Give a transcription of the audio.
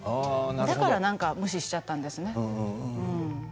だから何か無視しちゃったんですね。